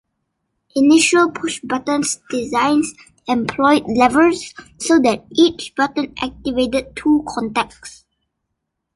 Initial pushbutton designs employed levers, so that each button activated two contacts.